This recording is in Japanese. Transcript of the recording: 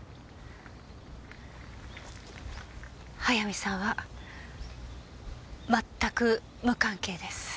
速水さんは全く無関係です。